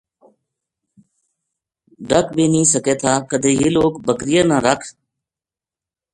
ڈَک بے نیہہ سکے تھا کَدے یہ لوک بکریاں نا رکھ